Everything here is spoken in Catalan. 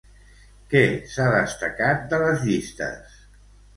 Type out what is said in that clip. Què s'ha destacat de les llistes?